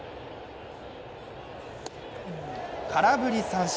空振り三振。